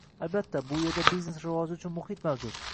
Albatta, bu yerda biznes rivoji uchun muhit mavjud.